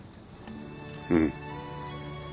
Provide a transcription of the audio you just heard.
うん。